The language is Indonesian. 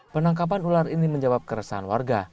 penangkapan ular ini menjawab keresahan warga